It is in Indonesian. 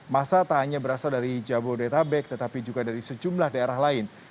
masa tak hanya berasal dari jabodetabek tetapi juga dari sejumlah daerah lain